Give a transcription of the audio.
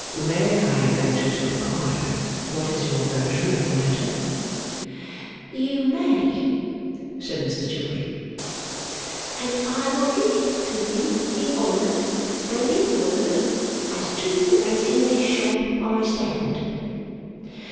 'May I venture to inquire what is your version of the matter?' 'You may,' said Mrs Chivery, 'and I will give it to you in honour and in word as true as in this shop I stand.